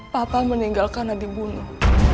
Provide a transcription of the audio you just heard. papa meninggal karena dibunuh